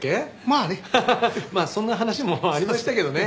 まあそんな話もありましたけどね。